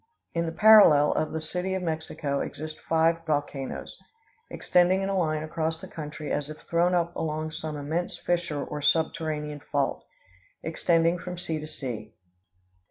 In the parallel of the City of Mexico exist five volcanoes, extending in a line across the country as if thrown up along some immense fissure or subterranean fault, extending from sea to sea.